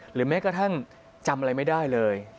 แม้กระทั่งจำอะไรไม่ได้เลย